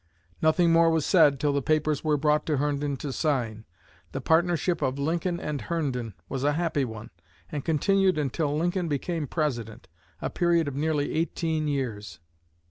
Nothing more was said till the papers were brought to Herndon to sign. The partnership of "Lincoln & Herndon" was a happy one, and continued until Lincoln became President, a period of nearly eighteen years.